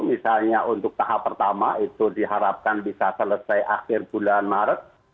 misalnya untuk tahap pertama itu diharapkan bisa selesai akhir bulan maret